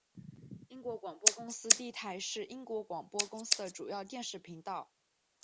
英国广播公司第一台是英国广播公司的主要电视频道。